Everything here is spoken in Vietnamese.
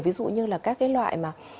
ví dụ như là các cái loại mà